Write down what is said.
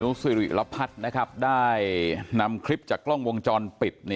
นุ้งสุยรุระพัดได้นำคลิปจากกล้องวงจรปิด